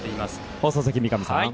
放送席、三上さん。